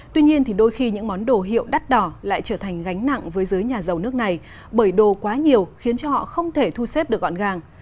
tuy nhiên đôi khi những món đồ hiệu đắt đỏ lại trở thành gánh nặng với giới nhà giàu nước này bởi đồ quá nhiều khiến họ không thể thu xếp được gọn gàng